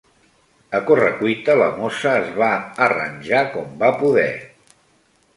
A corre-cuita, la mossa es va arranjar com va poder